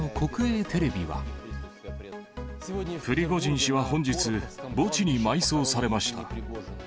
プリゴジン氏は本日、墓地に埋葬されました。